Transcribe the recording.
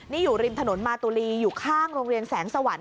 นี่อยู่ริมถนนมาตุลีอยู่ข้างโรงเรียนแสงสวรรค